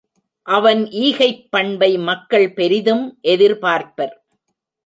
அவன் ஈகைப் பண்பை மக்கள் பெரிதும் எதிர்பார்ப்பர்.